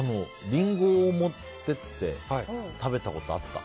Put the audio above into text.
リンゴを持っていって食べたことあった。